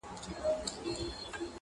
چي تلاوت وي ورته خاندي موسيقي ته ژاړي